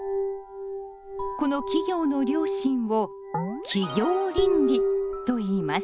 この企業の良心を「企業倫理」といいます。